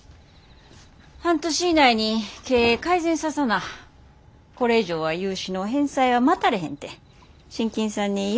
半年以内に経営改善ささなこれ以上は融資の返済は待たれへんて信金さんに言われてるよってな。